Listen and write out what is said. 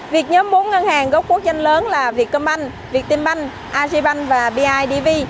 việc nhóm bốn ngân hàng gốc quốc danh lớn là việt công banh việt tinh banh agbanh và bidv